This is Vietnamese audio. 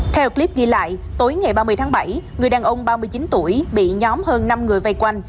theo clip ghi lại tối ngày ba mươi tháng bảy người đàn ông ba mươi chín tuổi bị nhóm hơn năm người vây quanh